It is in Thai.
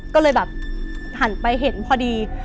ก็เลยแบบหันไปเห็นพอดี